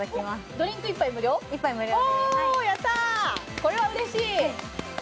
これはうれしい。